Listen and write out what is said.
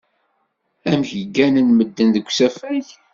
Amek gganen medden deg usafag?